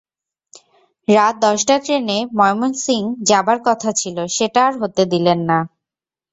রাত দশটার ট্রেনে ময়মনসিং যাবার কথা ছিল, সেটা আর হতে দিলেন না।